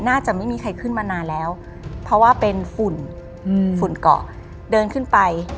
น่าจะไม่มีใครขึ้นมานานแล้วเพราะว่าเป็นฝุ่นฝุ่นเกาะเดินขึ้นไป